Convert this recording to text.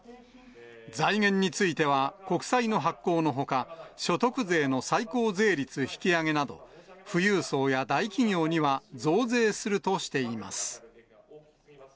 財源については、国債の発行のほか、所得税の最高税率引き上げなど、富裕層や大企業には増税するとしています。